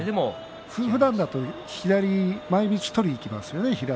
ふだんだと左の前みつを取りにいきますよね。